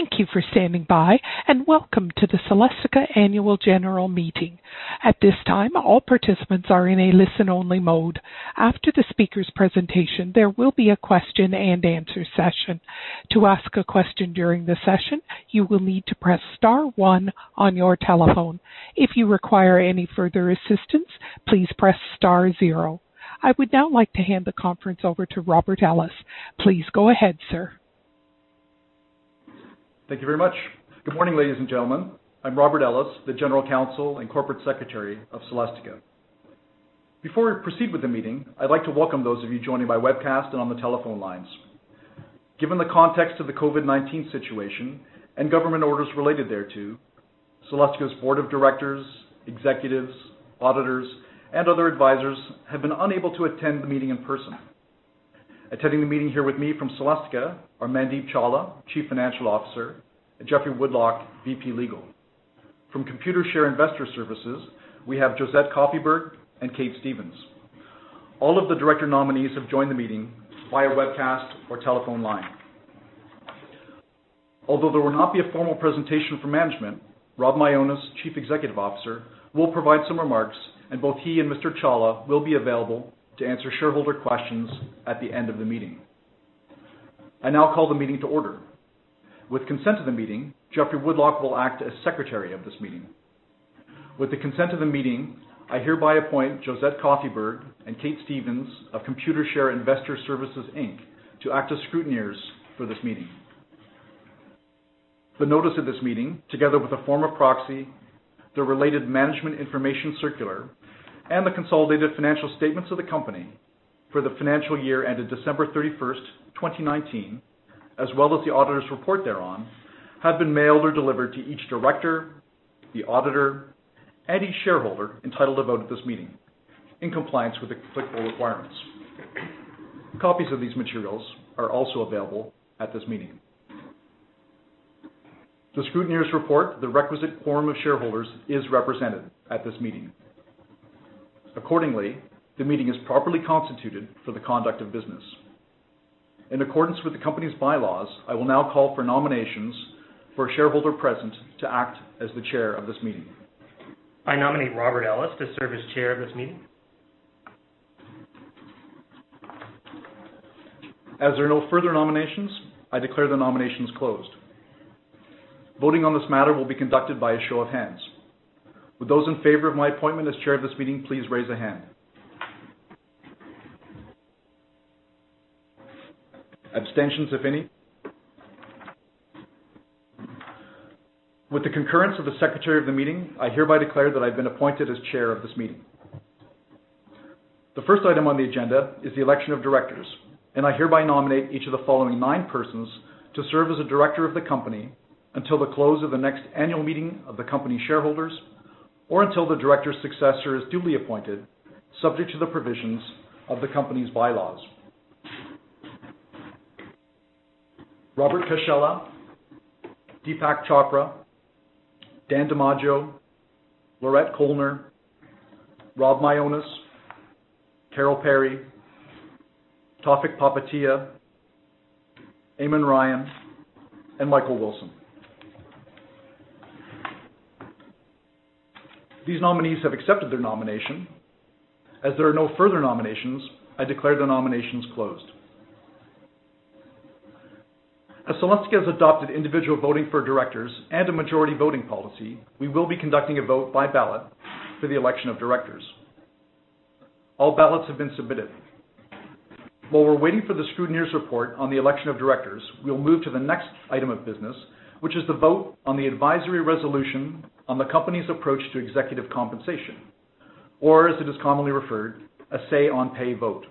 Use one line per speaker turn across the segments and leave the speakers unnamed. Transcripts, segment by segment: Thank you for standing by, and welcome to the Celestica Annual General Meeting. At this time, all participants are in a listen-only mode. After the speaker's presentation, there will be a question and answer session. To ask a question during the session, you will need to press star one on your telephone. If you require any further assistance, please press star zero. I would now like to hand the conference over to Robert Ellis. Please go ahead, sir.
Thank you very much. Good morning, ladies and gentlemen. I'm Robert Ellis, the General Counsel and Corporate Secretary of Celestica. Before we proceed with the meeting, I'd like to welcome those of you joining by webcast and on the telephone lines. Given the context of the COVID-19 situation and government orders related thereto, Celestica's board of directors, executives, auditors, and other advisors have been unable to attend the meeting in person. Attending the meeting here with me from Celestica are Mandeep Chawla, Chief Financial Officer, and Geoffrey Woodlock, VP, Legal. From Computershare Investor Services, we have Josette Koffyberg and Kate Stevens. All of the director nominees have joined the meeting via webcast or telephone line. Although there will not be a formal presentation from management, Rob Mionis, chief executive officer, will provide some remarks, and both he and Mr. Chawla will be available to answer shareholder questions at the end of the meeting. I now call the meeting to order. With consent of the meeting, Geoffrey Woodlock will act as secretary of this meeting. With the consent of the meeting, I hereby appoint Josette Koffyberg and Kate Stevens of Computershare Investor Services Inc. to act as scrutineers for this meeting. The notice of this meeting, together with a form of proxy, the related management information circular, and the consolidated financial statements of the company for the financial year ended December 31, 2019, as well as the auditor's report thereon, have been mailed or delivered to each director, the auditor, and each shareholder entitled to vote at this meeting, in compliance with applicable requirements. Copies of these materials are also available at this meeting. The scrutineers report the requisite quorum of shareholders is represented at this meeting. Accordingly, the meeting is properly constituted for the conduct of business. In accordance with the company's bylaws, I will now call for nominations for a shareholder present to act as the chair of this meeting.
I nominate Robert Ellis to serve as chair of this meeting.
As there are no further nominations, I declare the nominations closed. Voting on this matter will be conducted by a show of hands. Would those in favor of my appointment as chair of this meeting, please raise a hand. Abstentions, if any? With the concurrence of the secretary of the meeting, I hereby declare that I've been appointed as chair of this meeting. The first item on the agenda is the election of directors, and I hereby nominate each of the following nine persons to serve as a director of the company until the close of the next annual meeting of the company shareholders, or until the director's successor is duly appointed, subject to the provisions of the company's bylaws. Robert Cascella, Deepak Chopra, Dan DiMaggio, Laurette Koellner, Rob Mionis, Carol Perry, Tawfiq Popatia, Eamon Ryan, and Michael Wilson. These nominees have accepted their nomination. As there are no further nominations, I declare the nominations closed. As Celestica has adopted individual voting for directors and a majority voting policy, we will be conducting a vote by ballot for the election of directors. All ballots have been submitted. While we're waiting for the scrutineers' report on the election of directors, we'll move to the next item of business, which is the vote on the advisory resolution on the company's approach to executive compensation, or, as it is commonly referred, a say on pay vote.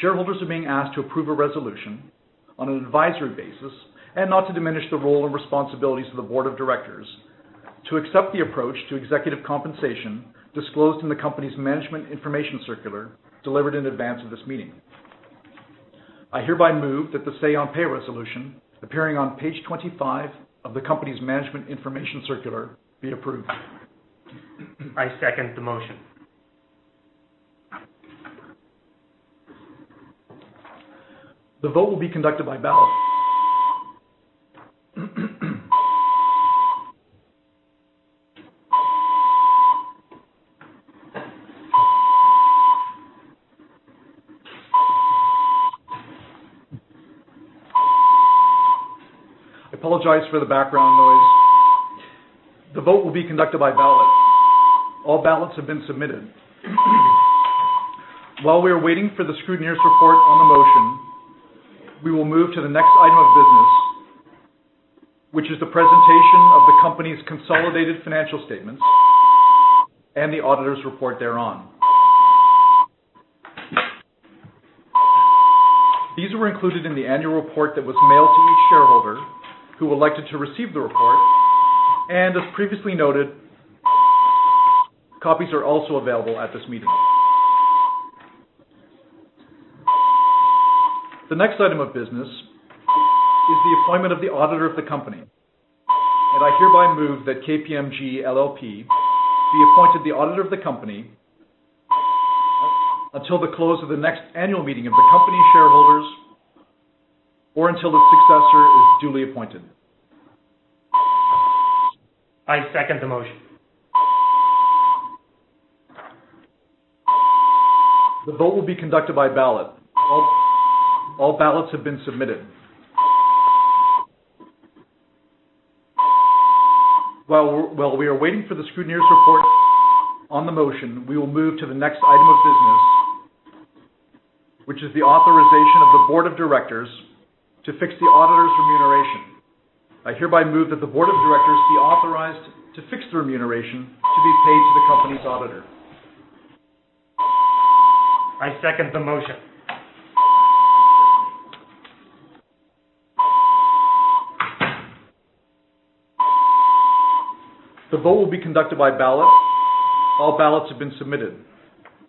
Shareholders are being asked to approve a resolution on an advisory basis and not to diminish the role and responsibilities of the board of directors to accept the approach to executive compensation disclosed in the company's management information circular delivered in advance of this meeting. I hereby move that the say on pay resolution appearing on page 25 of the company's management information circular be approved.
I second the motion.
The vote will be conducted by ballot. I apologize for the background noise. The vote will be conducted by ballot. All ballots have been submitted. While we are waiting for the scrutineers' report on the motion, we will move to the next item of business, which is the presentation of the company's consolidated financial statements and the auditors' report thereon. These were included in the annual report that was mailed to each shareholder who elected to receive the report, and as previously noted, copies are also available at this meeting. The next item of business is the appointment of the auditor of the company. I hereby move that KPMG LLP be appointed the auditor of the company until the close of the next annual meeting of the company shareholders or until a successor is duly appointed.
I second the motion.
The vote will be conducted by ballot. All ballots have been submitted. While we are waiting for the scrutineer's report on the motion, we will move to the next item of business, which is the authorization of the board of directors to fix the auditor's remuneration. I hereby move that the board of directors be authorized to fix the remuneration to be paid to the company's auditor.
I second the motion.
The vote will be conducted by ballot. All ballots have been submitted.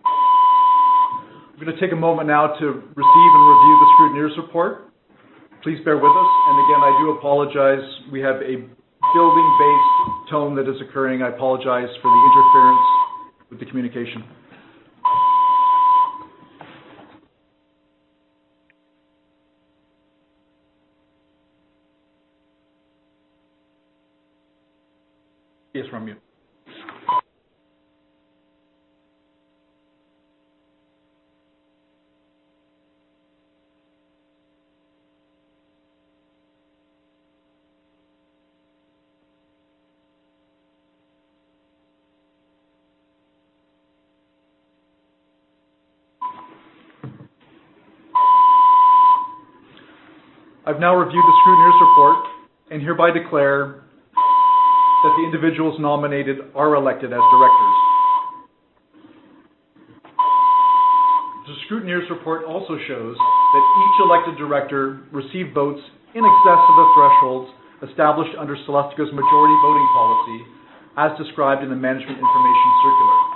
I'm going to take a moment now to receive and review the scrutineer's report. Please bear with us, and again, I do apologize. We have a building-based tone that is occurring. I apologize for the interference with the communication. Please resume. I've now reviewed the scrutineer's report and hereby declare that the individuals nominated are elected as directors. The scrutineer's report also shows that each elected director received votes in excess of the thresholds established under Celestica's majority voting policy, as described in the management information circular.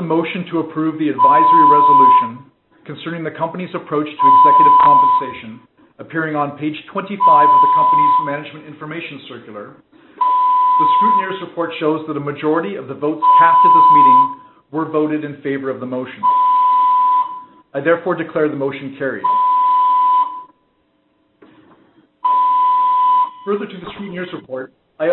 With respect to the motion to approve the advisory resolution concerning the company's approach to executive compensation appearing on page 25 of the company's management information circular, the scrutineer's report shows that a majority of the votes cast at this meeting were voted in favor of the motion. I therefore declare the motion carried. Further to the scrutineer's report, I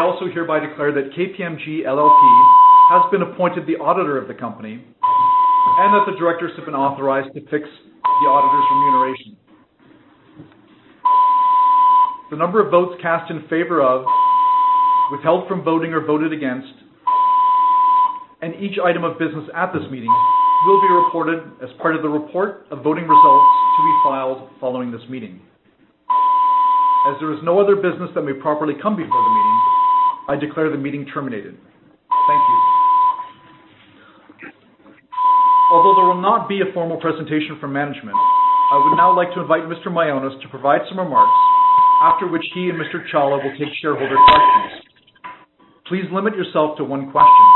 also hereby declare that KPMG LLP has been appointed the auditor of the company and that the directors have been authorized to fix the auditor's remuneration. The number of votes cast in favor of, withheld from voting, or voted against in each item of business at this meeting will be reported as part of the report of voting results to be filed following this meeting. As there is no other business that may properly come before the meeting, I declare the meeting terminated. Thank you. Although there will not be a formal presentation from management, I would now like to invite Mr. Mionis to provide some remarks, after which he and Mr. Chawla will take shareholder questions. Please limit yourself to one question.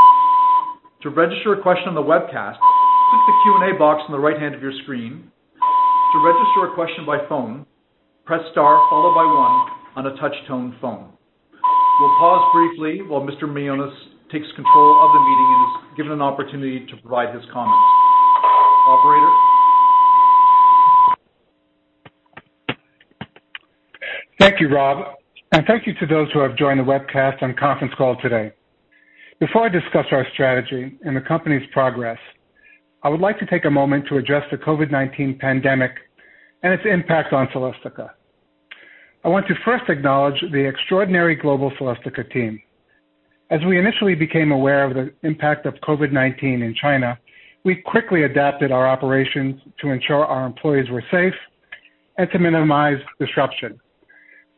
To register a question on the webcast, click the Q&A box on the right hand of your screen. To register a question by phone, press star followed by one on a touch-tone phone. We'll pause briefly while Mr. Mionis takes control of the meeting and is given an opportunity to provide his comments. Operator.
Thank you, Rob, and thank you to those who have joined the webcast and conference call today. Before I discuss our strategy and the company's progress, I would like to take a moment to address the COVID-19 pandemic and its impact on Celestica. I want to first acknowledge the extraordinary global Celestica team. As we initially became aware of the impact of COVID-19 in China, we quickly adapted our operations to ensure our employees were safe and to minimize disruption.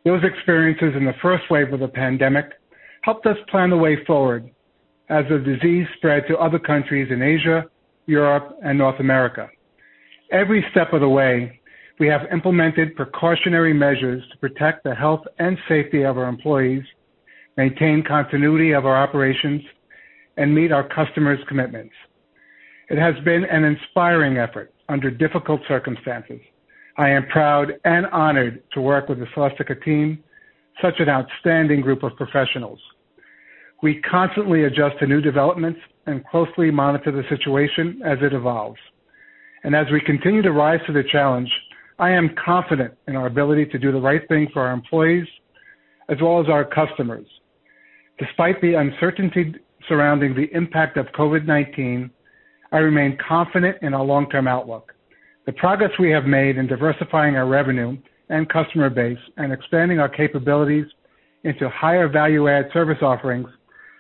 Those experiences in the first wave of the pandemic helped us plan the way forward as the disease spread to other countries in Asia, Europe, and North America. Every step of the way, we have implemented precautionary measures to protect the health and safety of our employees, maintain continuity of our operations, and meet our customers' commitments. It has been an inspiring effort under difficult circumstances. I am proud and honored to work with the Celestica team, such an outstanding group of professionals. We constantly adjust to new developments and closely monitor the situation as it evolves. As we continue to rise to the challenge, I am confident in our ability to do the right thing for our employees as well as our customers. Despite the uncertainty surrounding the impact of COVID-19, I remain confident in our long-term outlook. The progress we have made in diversifying our revenue and customer base and expanding our capabilities into higher value-add service offerings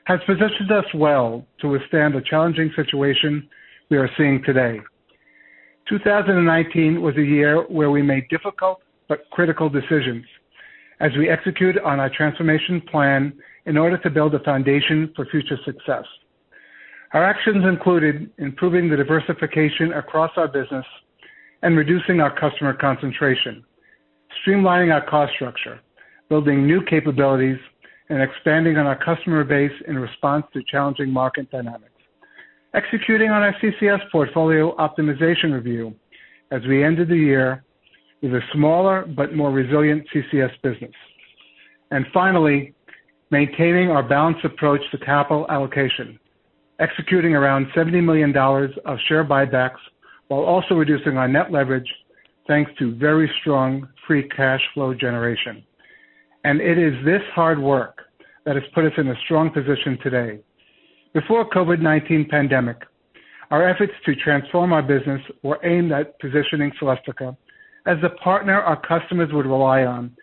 has positioned us well to withstand the challenging situation we are seeing today. 2019 was a year where we made difficult but critical decisions as we execute on our transformation plan in order to build a foundation for future success. Our actions included improving the diversification across our business and reducing our customer concentration, streamlining our cost structure, building new capabilities, and expanding on our customer base in response to challenging market dynamics. Executing on our CCS portfolio optimization review as we ended the year with a smaller but more resilient CCS business. Finally, maintaining our balanced approach to capital allocation, executing around $70 million of share buybacks while also reducing our net leverage, thanks to very strong free cash flow generation. It is this hard work that has put us in a strong position today. Before COVID-19 pandemic, our efforts to transform our business were aimed at positioning Celestica as a partner our customers would rely on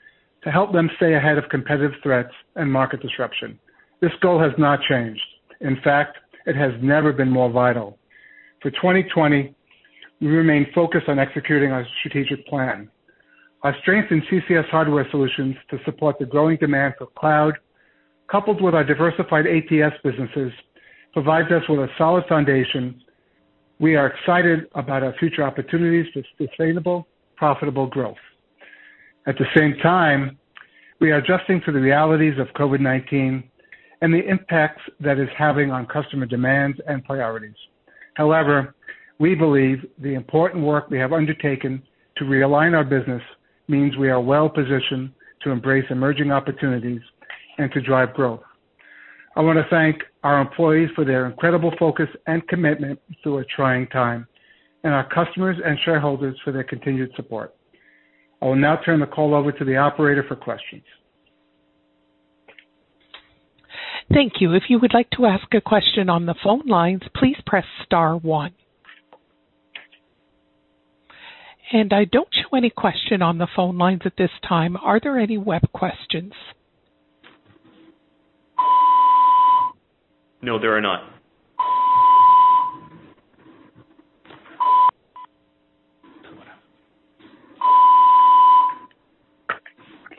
to help them stay ahead of competitive threats and market disruption. This goal has not changed. In fact, it has never been more vital. For 2020, we remain focused on executing our strategic plan. Our strength in CCS hardware solutions to support the growing demand for cloud, coupled with our diversified ATS businesses, provides us with a solid foundation. We are excited about our future opportunities with sustainable, profitable growth. At the same time, we are adjusting to the realities of COVID-19 and the impact that is having on customer demands and priorities. We believe the important work we have undertaken to realign our business means we are well-positioned to embrace emerging opportunities and to drive growth. I want to thank our employees for their incredible focus and commitment through a trying time, and our customers and shareholders for their continued support. I will now turn the call over to the operator for questions.
Thank you. If you would like to ask a question on the phone lines, please press star one. I don't show any question on the phone lines at this time. Are there any web questions?
No, there are not.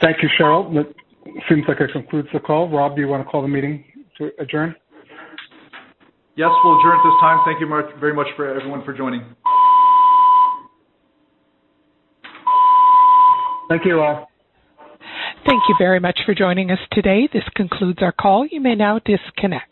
Thank you, Cheryl. That seems like that concludes the call. Rob, do you want to call the meeting to adjourn?
Yes. We'll adjourn at this time. Thank you very much, everyone, for joining.
Thank you, Rob.
Thank you very much for joining us today. This concludes our call. You may now disconnect.